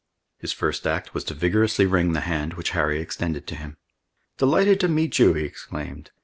His first act was to vigorously wring the hand which Harry extended to him. "Delighted to meet you!" he exclaimed.